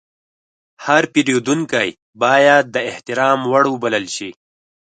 هر پیرودونکی باید د احترام وړ وبلل شي.